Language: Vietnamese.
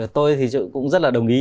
tôi thì cũng rất là đồng ý